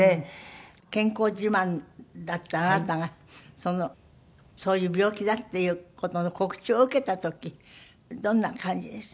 健康自慢だったあなたがそのそういう病気だっていう事の告知を受けた時どんな感じでした？